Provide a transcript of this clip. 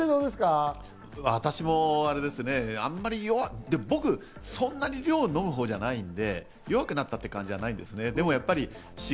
私もあれですね、僕、そんなに量を飲むほうじゃないんで、弱くなったという感じじゃないんですね。